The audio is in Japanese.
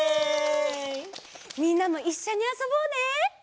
みんなもいっしょにあそぼうね！